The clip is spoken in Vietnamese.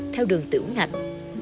theo đường tiểu ngạch